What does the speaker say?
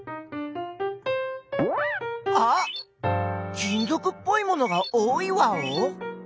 金ぞくっぽいものが多いワオ？